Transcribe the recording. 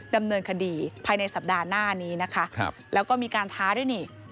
ดำเนินคดีภายในสัปดาห์หน้านี้นะคะแล้วก็มีการท้าด้วยนี่